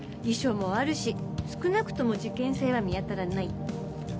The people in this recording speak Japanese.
遺書もあるし少なくとも事件性は見当たらない。